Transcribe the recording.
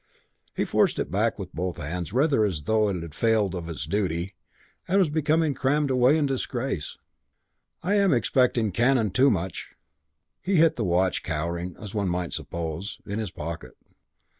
He forced it back with both hands rather as though it had failed of this duty and was being crammed away in disgrace. "I am expecting Canon Toomuch." He hit the watch, cowering (as one might suppose) in his pocket.